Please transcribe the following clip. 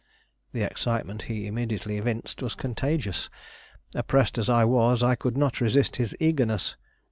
The excitement he immediately evinced was contagious. Oppressed as I was, I could not resist his eagerness.